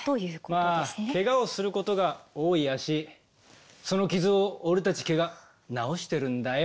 まあけがをすることが多い足その傷を俺たち毛が治してるんだよ。